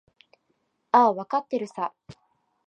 ああ、わかってるさ。